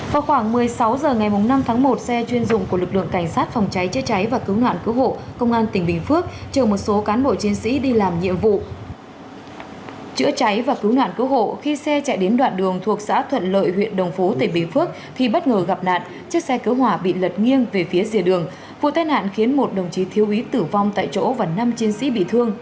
thưa quý vị và các bạn trong lúc đi làm nhiệm vụ một chiếc xe cảnh sát phòng cháy chữa cháy và cấu nạn cứu hộ công an tỉnh bình phước đã gặp nạn làm hai chiến sĩ hy sinh và bốn chiến sĩ khác bị thương